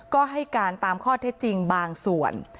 ก็ให้การตามข้อเท็จจริงบางส่วน